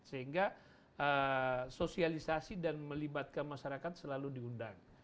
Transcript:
sehingga sosialisasi dan melibatkan masyarakat selalu diundang